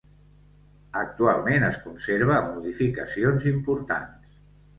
Actualment es conserva amb modificacions importants.